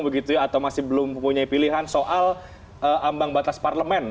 begitu ya atau masih belum punya pilihan soal ambang batas parlemen